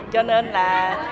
cho nên là